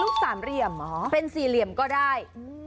เป็นสี่เหลี่ยมก็ได้